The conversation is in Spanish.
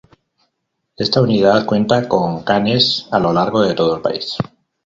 Esta unidad cuenta con canes a lo largo de todo el país.